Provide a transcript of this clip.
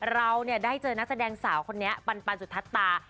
เราได้เจอนักแสดงสาวคนนี้ปันสุธัตตา